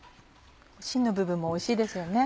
芯の部分もおいしいですよね。